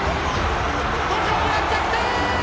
土俵際逆転！